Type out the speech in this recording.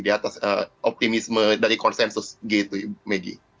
di atas optimisme dari konsensus gitu megi